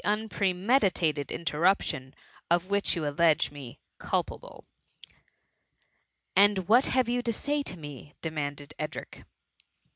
4A unpremeditated interruption of which you allege me culpable.^^ «< And «4iat have you to say to me ?^ de* manded Ediic.